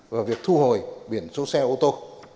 và việc thu hồi biển số xe ô tô